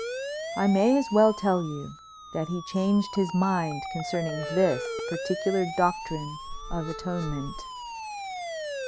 I may as well tell you that he changed his mind concerning this particular doctrine of atonement.